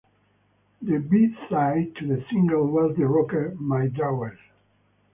The B-side to the single was the rocker, "My Drawers".